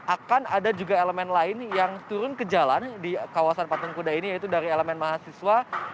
akan ada juga elemen lain yang turun ke jalan di kawasan patung kuda ini yaitu dari elemen mahasiswa